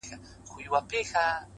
فکر ژور وي نو حلونه واضح وي.!